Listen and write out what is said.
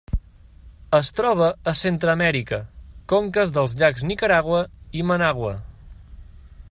Es troba a Centreamèrica: conques dels llacs Nicaragua i Managua.